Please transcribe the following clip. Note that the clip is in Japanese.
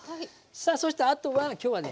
さあそしたらあとは今日はね